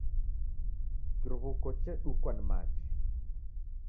Kiruw'uko chedukwa ni machi.